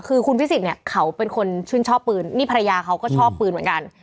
คือคุณพิสิทธิ์เนี่ยเขาเป็นคนชื่นชอบปืนนี่ภรรยาเขาก็ชอบปืนเหมือนกัน